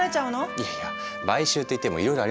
いやいや買収っていってもいろいろありますから。